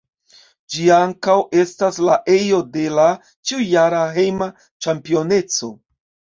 Ĝi ankaŭ estas la ejo de la ĉiujara hejma ĉampioneco.